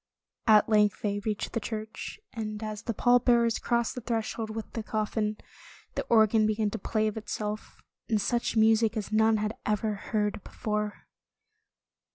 At length they reached the church, and as the pall bearers crossed the threshold with the coffin, the organ began to play of itself, and such music as none had ever heard before.